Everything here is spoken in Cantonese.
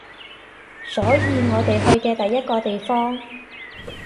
所以我哋去嘅第一個地方